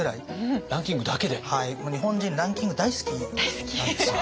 日本人ランキング大好きなんですよ。